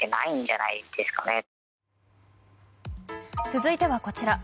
続いては、こちら。